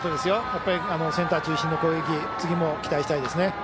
やっぱり、センター中心の攻撃次も期待したいですね。